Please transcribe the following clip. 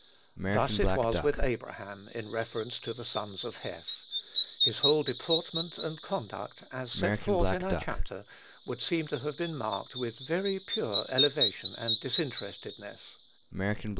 Thus it was with Abraham, in reference to the sons of Heth. His whole deportment and conduct, as set forth in our chapter, would seem to have been marked with very pure elevation and disinterestedness.